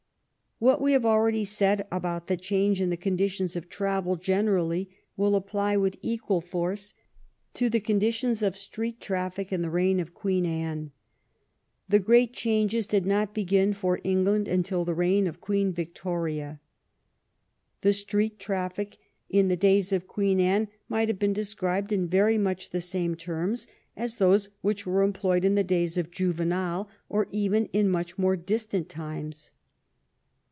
What we have already said about the change in the conditions of travel generally will apply with equal force to the conditions of street traffic in the reign of Queen Anne. The great changes did not begin for England until the reign of Queen Victoria. The street traffic in the days of Queen Anne might have been described in very much the same terms as those which were employed in the days of Juvenal or even in much more distant times.